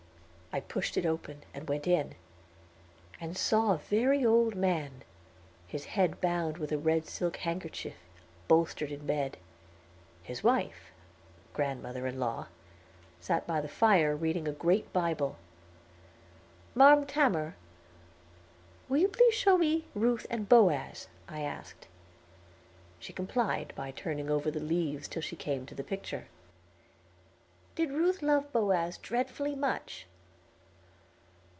I pushed it open, went in, and saw a very old man, his head bound with a red silk handkerchief, bolstered in bed. His wife, grandmother in law, sat by the fire reading a great Bible. "Marm Tamor, will you please show me Ruth and Boaz?" I asked. She complied by turning over the leaves till she came to the picture. "Did Ruth love Boaz dreadfully much?"